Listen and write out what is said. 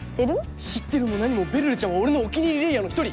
知ってるも何もべるるちゃんは俺のお気に入りレイヤーの１人！